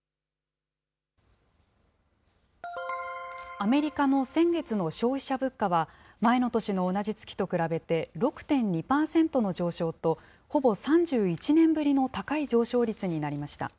アメリカの先月の消費者物価は、前の年の同じ月と比べて、６．２％の上昇と、ほぼ３１年ぶりの高い上昇率になりました。